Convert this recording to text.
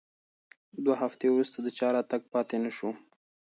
دوه هفتې وروسته د چا راتګ پاتې نه شو.